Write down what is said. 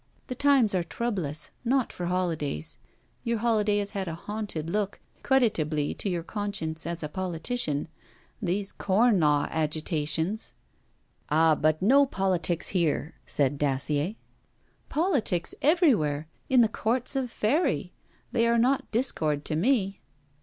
The times are troublous not for holidays! Your holiday has had a haunted look, creditably to your conscience as a politician. These Corn Law agitations!' 'Ah, but no politics here!' said Dacier. 'Politics everywhere! in the Courts of Faery! They are not discord to me.'